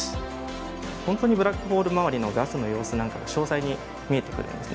本当にブラックホール周りのガスの様子なんかが詳細に見えてくるんですね。